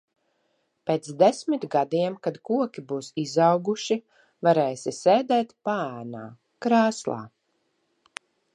Pēc desmit gadiem kad koki būs izauguši, varēsi sēdēt paēnā, krēslā.